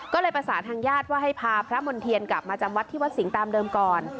ก็เลยประสานทางญาติว่าให้พาพระมณ์เทียนกลับมาจำวัดที่วัดสิงห์ตามเดิมก่อน